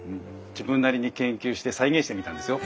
自分なりに研究して再現してみたんですよ。